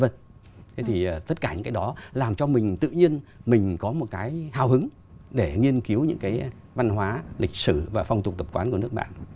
thế thì tất cả những cái đó làm cho mình tự nhiên mình có một cái hào hứng để nghiên cứu những cái văn hóa lịch sử và phong tục tập quán của nước bạn